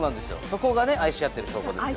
そこが愛し合ってる証拠ですよね。